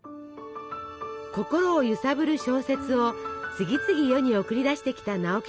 心を揺さぶる小説を次々世に送り出してきた直木賞作